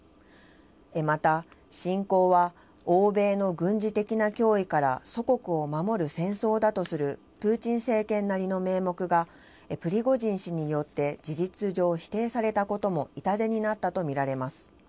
また、侵攻は欧米の軍事的な脅威から祖国を守る戦争だとするプーチン政権なりの名目が、プリゴジン氏によって事実上、否定されたことも痛手になったと見られます。